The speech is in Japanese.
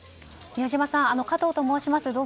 宮嶋さん加藤と申します。